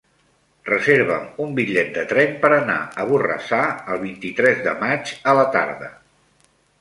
Reserva'm un bitllet de tren per anar a Borrassà el vint-i-tres de maig a la tarda.